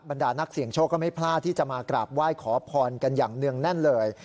ดานักเสี่ยงโชคก็ไม่พลาดที่จะมากราบไหว้ขอพรกันอย่างเนื่องแน่นเลย